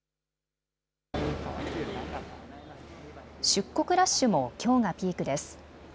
出国ラッシュもきょうがピークです。